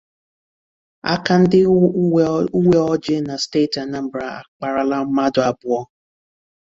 Aka ndị uweojii na steeti Anambra akparala mmadụ abụọ